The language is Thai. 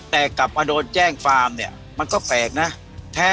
แต่กลับมาโดนแจ้งฟาร์มเนี่ยมันก็แปลกนะ